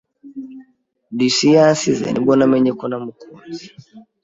Lucy yansize ni bwo namenye ko namukunze.